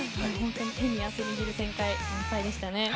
手に汗握る展開でしたね。